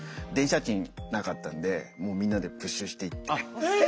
電車賃なかったんでもうみんなでプッシュして行って。